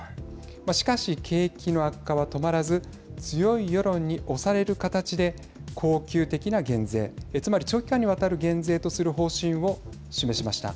しかし、景気の悪化は止まらず強い世論に押される形で恒久的な減税、つまり長期間にわたる減税とする方針を示しました。